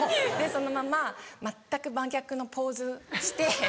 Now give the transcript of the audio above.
でそのまま全く真逆のポーズして。